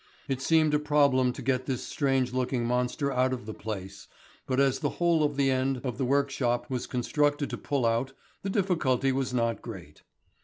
It seemed a problem to get this strange looking monster out of the place, but as the whole of the end of the workshop was constructed to pull out, the difficulty was not great.